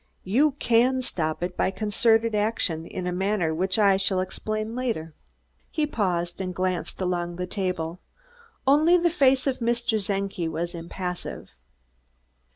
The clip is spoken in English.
You can stop it by concerted action, in a manner which I shall explain later." He paused and glanced along the table. Only the face of Mr. Czenki was impassive.